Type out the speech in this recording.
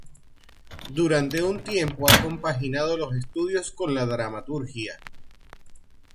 Durante un tiempo ha compaginado los estudios con la dramaturgia.